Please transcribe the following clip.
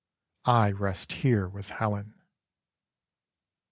I rest here with Helen.'